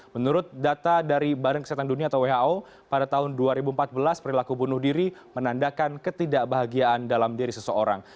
menurut data dari badan kesehatan dunia atau who pada tahun dua ribu empat belas perilaku bunuh diri menandakan ketidakbahagiaan dalam diri seseorang